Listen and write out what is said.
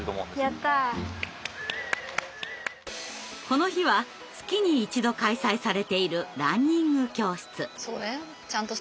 この日は月に一度開催されているランニング教室。